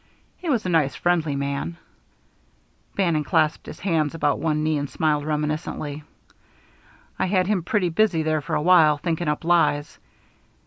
He was a nice, friendly man" Bannon clasped his hands about one knee and smiled reminiscently "I had him pretty busy there for a while thinking up lies.